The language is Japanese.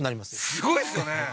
すごいですよね